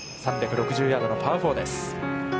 ３６０ヤードのパー４です。